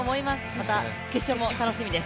また決勝も楽しみです。